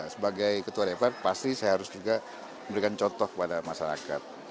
sebagai ketua dpr pasti saya harus juga memberikan contoh kepada masyarakat